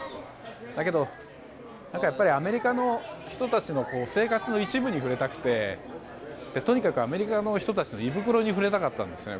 だけど、アメリカの人たちの生活の一部に触れたくてとにかくアメリカの人たちの胃袋に触れたかったんですよ。